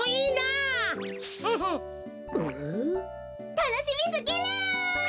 たのしみすぎる！ほい。